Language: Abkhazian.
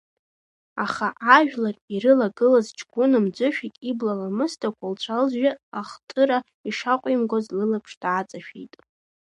Аха ажәлар ирылагылаз ҷкәына мӡышәак ибла ламысдақәа лцәа-лжьы ахтыра ишаҟәимгоз лылаԥш дааҵашәеит.